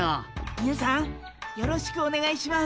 みなさんよろしくおねがいします。